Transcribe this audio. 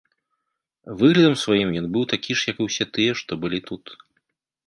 Выглядам сваім ён быў такі ж як і ўсе тыя, што былі тут.